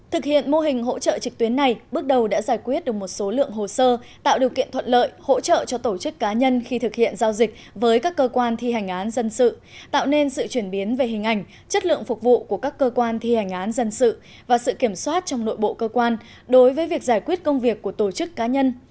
thực hiện mô hình hỗ trợ trực tuyến này bước đầu đã giải quyết được một số lượng hồ sơ tạo điều kiện thuận lợi hỗ trợ cho tổ chức cá nhân khi thực hiện giao dịch với các cơ quan thi hành án dân sự tạo nên sự chuyển biến về hình ảnh chất lượng phục vụ của các cơ quan thi hành án dân sự và sự kiểm soát trong nội bộ cơ quan đối với việc giải quyết công việc của tổ chức cá nhân